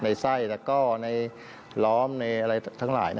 ในไส้แล้วก็ในล้อมในอะไรทั้งหลาย